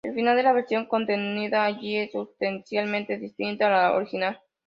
El final de la versión contenida allí es sustancialmente distinta a la original.